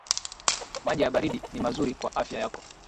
Maji ya baridi ni mazuri kwa afya yako